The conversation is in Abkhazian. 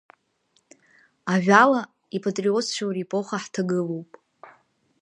Ажәала ипатриотцәоу репоха ҳҭагылоуп.